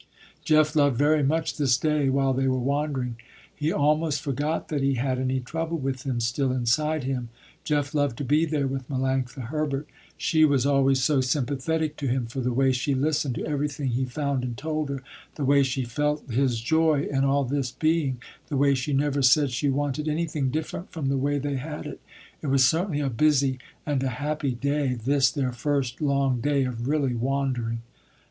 Jeff loved very much this day while they were wandering. He almost forgot that he had any trouble with him still inside him. Jeff loved to be there with Melanctha Herbert. She was always so sympathetic to him for the way she listened to everything he found and told her, the way she felt his joy in all this being, the way she never said she wanted anything different from the way they had it. It was certainly a busy and a happy day, this their first long day of really wandering.